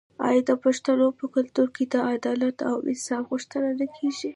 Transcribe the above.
آیا د پښتنو په کلتور کې د عدل او انصاف غوښتنه نه کیږي؟